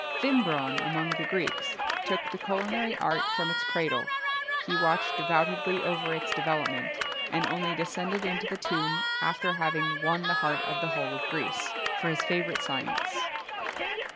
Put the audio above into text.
Thimbron, among the Greeks, took the culinary art from its cradle: he watched devoutedly over its development, and only descended into the tomb after having won the heart of the whole of Greece,[XXII 11] for his favourite science.